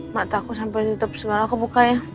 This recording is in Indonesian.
mbak takut sampai ditutup segala kebukanya